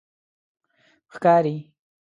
ښکاری